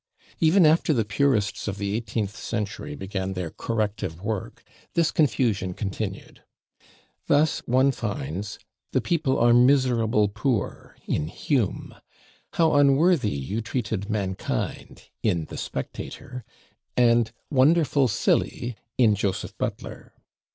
Even after the purists of the eighteenth century began their corrective work this confusion continued. Thus, one finds, "the people are /miserable/ poor" in Hume, "how /unworthy/ you treated mankind" in /The Spectator/, and "/wonderful/ silly" in Joseph Butler.